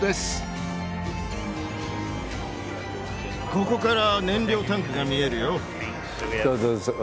ここから燃料タンクが見えるよ。